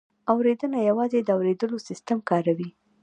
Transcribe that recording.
اورېدنه یوازې د اورېدو سیستم کاروي